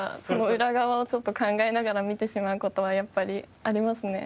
裏側をちょっと考えながら見てしまう事はやっぱりありますね。